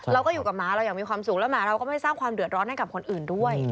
เราก็อยู่กับหมาเราอย่างมีความสุขแล้วหมาเราก็ไม่ได้สร้างความเดือดร้อนให้กับคนอื่นด้วย